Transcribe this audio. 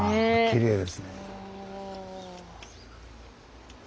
きれいですね。